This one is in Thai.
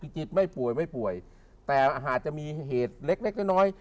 จิตไม่ป่วยไม่ป่วยแต่อาจจะมีเหตุเล็กเล็กน้อย